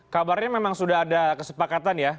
kabarnya memang sudah ada kesepakatan ya